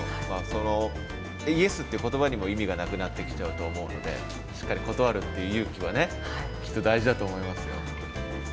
そのイエスっていう言葉にも意味がなくなってきちゃうと思うのでしっかり断るって勇気はねきっと大事だと思いますよ。